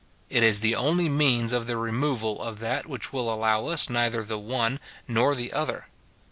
It is the only means of the removal of that which will allow us neither the one nor the other.